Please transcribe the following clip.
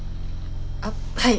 あっはい。